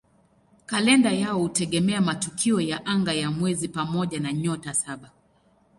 Kalenda yao hutegemea matukio ya anga ya mwezi pamoja na "Nyota Saba".